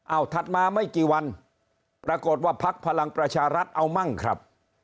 เอาถัดมาไม่กี่วันปรากฏว่าพักพลังประชารัฐเอามั่งครับ